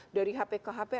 dari hp ke hp